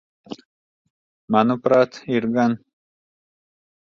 Manuprāt, ir gan.